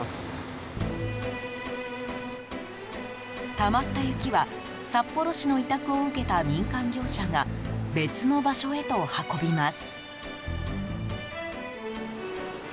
たまった雪は札幌市の委託を受けた民間業者が別の場所へと運びます。